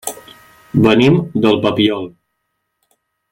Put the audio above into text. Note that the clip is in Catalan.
Venim del Papiol.